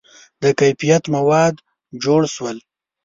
• د کیفیت مواد جوړ شول.